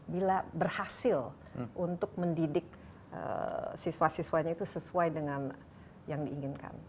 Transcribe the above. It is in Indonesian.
bila berhasil untuk mendidik siswa siswanya itu sesuai dengan yang diinginkan